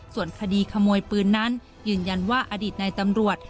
ส่วนคดีขโมยปืนนั้นยืนยันว่าอดีตในตำรวจ